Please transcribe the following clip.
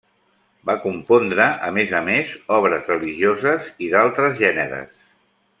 Va compondre a més a més obres religioses i d'altres gèneres.